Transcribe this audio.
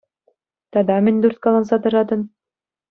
Тата мӗн турткаланса тӑратӑн?